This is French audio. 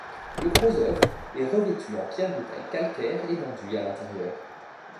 Le gros œuvre est revêtue en pierre de taille calcaire et d'enduit à l'intérieur.